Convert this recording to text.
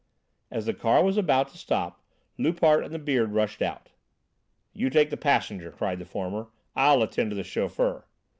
As the car was about to stop, Loupart and the Beard rushed out. "You take the passenger!" cried the former; "I'll attend to the chauffeur."